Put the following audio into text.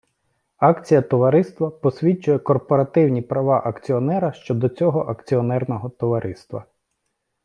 Акція товариства посвідчує корпоративні права акціонера щодо цього акціонерного товариства.